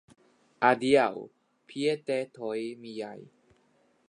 Adiaŭ, piedetoj miaj!